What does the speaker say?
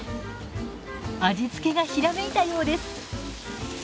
味付けがひらめいたようです。